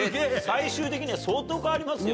最終的には相当変わりますよ。